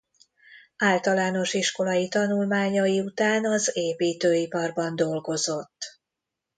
Általános iskolai tanulmányai után az építőiparban dolgozott.